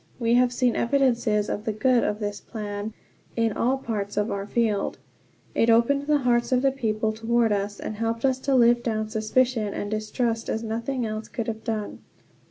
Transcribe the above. We have seen evidences of the good of this plan in all parts of our field. It opened the hearts of the people toward us, and helped us to live down suspicion and distrust as nothing else could have done.